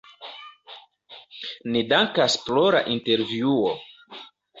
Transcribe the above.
Ni dankas pro la intervjuo.